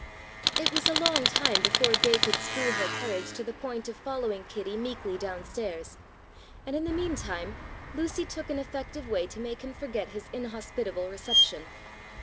"] It was a long time before Gay could screw her courage to the point of following Kitty meekly down stairs, and in the meantime Lucy took an effective way to make him forget his inhospitable reception.